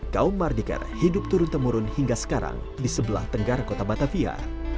kaum mardiker hidup turun temurun hingga sekarang di sebelah tenggara kota batavia